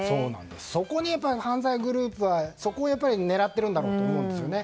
そこを犯罪グループは狙っているんだと思うんですよね。